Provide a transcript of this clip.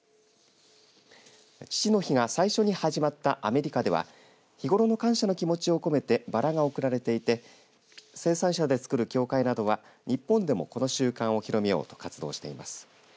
父の日が最初に始まったアメリカでは日頃の感謝の気持ちを込めてバラが贈られていて生産者でつくる協会などは日本でもこの習慣を広めようと活動しています。